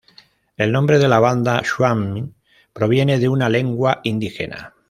El nombre de la banda Swami, proviene de una lengua indígena.